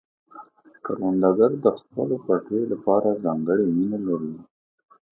کروندګر د خپلو پټیو لپاره ځانګړې مینه لري